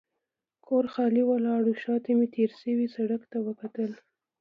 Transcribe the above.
کور خالي ولاړ و، شا ته مې تېر شوي سړک ته وکتل.